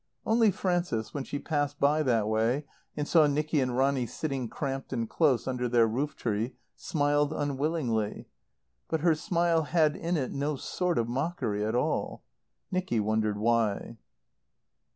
Only Frances, when she passed by that way and saw Nicky and Bonny sitting cramped and close under their roof tree, smiled unwillingly. But her smile had in it no sort of mockery at all. Nicky wondered why.